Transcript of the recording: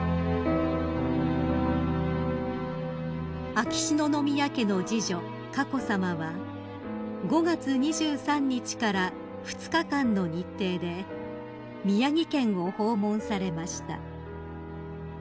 ［秋篠宮家の次女佳子さまは５月２３日から２日間の日程で宮城県を訪問されました］